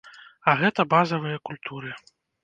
А гэта базавыя культуры.